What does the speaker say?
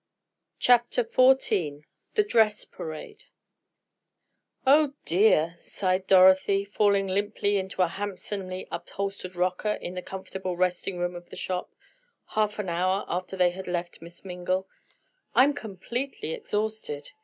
CHAPTER XIV THE DRESS PARADE "Oh dear," sighed Dorothy, falling limply into a handsomely upholstered rocker in the comfortable resting room of the shop, half an hour after they had left Miss Mingle, "I'm completely exhausted!"